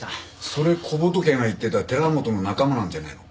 それ小仏が言ってた寺本の仲間なんじゃねえの？